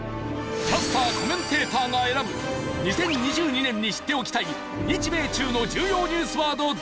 キャスター・コメンテーターが選ぶ２０２２年に知っておきたい日米中の重要ニュースワード。